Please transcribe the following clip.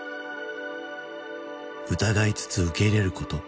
疑いつつ受け入れること。